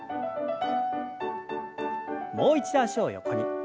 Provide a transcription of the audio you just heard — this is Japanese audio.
もう一度脚を横に。